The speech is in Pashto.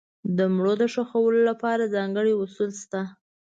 د مړو د ښخولو لپاره ځانګړي اصول شته.